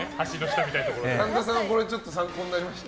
神田さん、参考になりました？